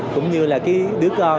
cũng như là cái đứa con